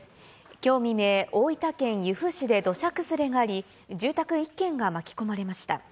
きょう未明、大分県由布市で土砂崩れがあり、住宅１軒が巻き込まれました。